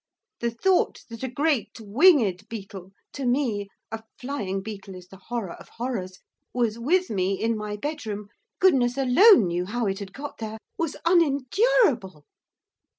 The thought that a great, winged beetle to me, a flying beetle is the horror of horrors! was with me in my bedroom, goodness alone knew how it had got there! was unendurable.